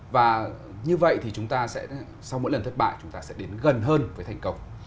và như vậy thì chúng ta sẽ sau mỗi lần thất bại chúng ta sẽ đến gần hơn với thành công